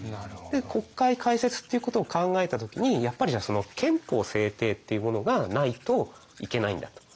国会開設っていうことを考えた時にやっぱり憲法制定っていうものがないといけないんだと。